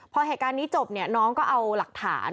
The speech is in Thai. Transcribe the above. พอเหตุการณ์นี้จบเนี่ยน้องก็เอาหลักฐาน